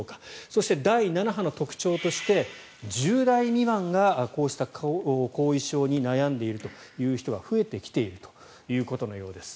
そして、第７波の特徴として１０代未満がこうした後遺症に悩んでいる人が増えてきているようです。